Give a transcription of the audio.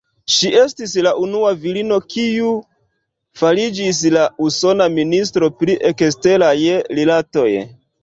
Ŝi estis la unua virino, kiu fariĝis la usona Ministro pri Eksteraj Rilatoj.